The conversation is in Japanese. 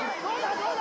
どうだ？